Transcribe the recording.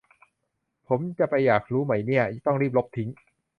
ผมจะไปอยากรู้ไหมเนี่ย ต้องรีบลบทิ้ง